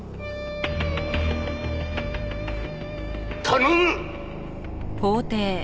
頼む！